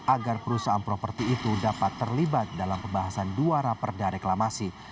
agar perusahaan properti itu dapat terlibat dalam pembahasan dua raperda reklamasi